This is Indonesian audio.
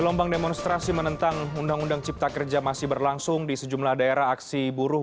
gelombang demonstrasi menentang undang undang cipta kerja masih berlangsung di sejumlah daerah aksi buruh